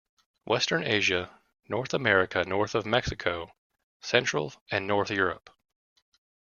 Western Asia, North America- north of Mexico, Central and North Europe.